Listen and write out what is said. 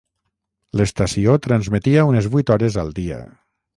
L'estació transmetia unes vuit hores al dia.